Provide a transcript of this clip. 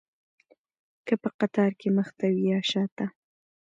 که په قطار کې مخته وي یا شاته.